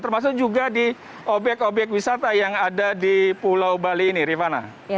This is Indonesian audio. termasuk juga di obyek obyek wisata yang ada di pulau bali ini rifana